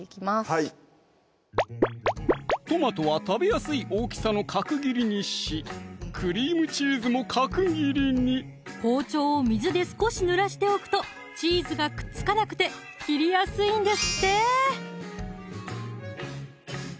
はいトマトは食べやすい大きさの角切りにしクリームチーズも角切りに包丁を水で少しぬらしておくとチーズがくっつかなくて切りやすいんですって